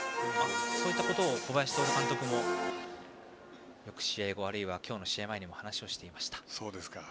そういったことを小林徹監督もよく試合後、あるいは今日試合前話をしていました。